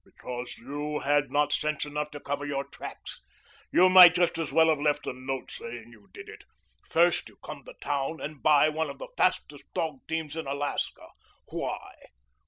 "Because you had not sense enough to cover your tracks. You might just as well have left a note saying you did it. First, you come to town and buy one of the fastest dog teams in Alaska. Why?"